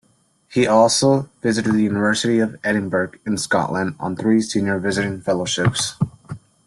He also visited the University of Edinburgh in Scotland on three Senior Visiting Fellowships.